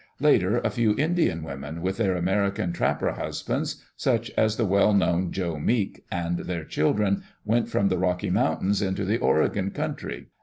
Later a few Indian women, with their American trapper husbands, such as the well known Jo Meek, and their children, went from the Rocky Mountains into the Oregon country.